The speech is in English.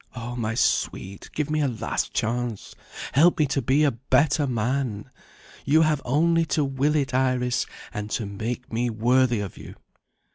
"Oh, my Sweet, give me a last chance. Help me to be a better man! You have only to will it, Iris, and to make me worthy of you."